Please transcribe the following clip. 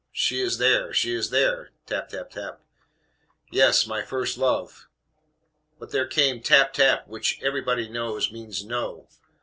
She is there! She is there!" (Tap, tap, tap.) "Yes, my first love " But here there came tap, tap, which everybody knows means "No."